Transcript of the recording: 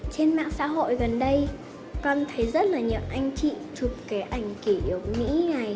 trên mạng xã hội gần đây con thấy rất là nhiều anh chị chụp cái ảnh kỷ yếu mỹ này